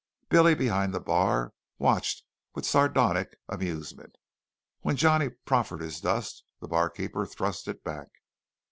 Billy, behind the bar, watched with sardonic amusement. When Johnny proffered his dust, the barkeeper thrust it back.